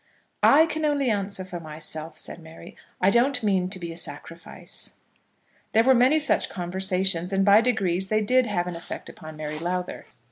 "I can only answer for myself," said Mary. "I don't mean to be a sacrifice." There were many such conversations, and by degrees they did have an effect upon Mary Lowther.